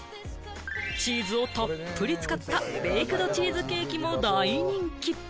チーズをたっぷり使ったベークドチーズケーキも大人気！